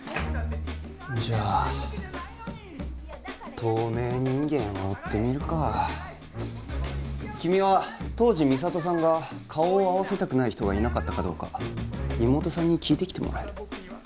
じゃあ透明人間を追ってみるか君は当時美里さんが顔を合わせたくない人がいなかったかどうか妹さんに聞いてきてもらえる？